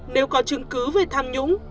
nếu có chứng cứ về tham nhũng